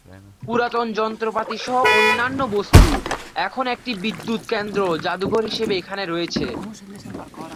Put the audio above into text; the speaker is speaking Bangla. পুরাতন যন্ত্রপাতি সহ অন্যান্য বস্তু এখন একটি বিদ্যুৎ কেন্দ্র জাদুঘর হিসেবে এখানে রয়েছে।